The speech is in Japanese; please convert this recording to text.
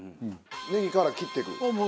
ネギから切っていく？